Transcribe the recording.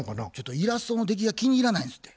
「イラストの出来が気に入らない」つって。